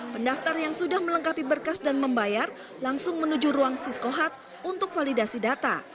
pendaftar yang sudah melengkapi berkas dan membayar langsung menuju ruang siskohat untuk validasi data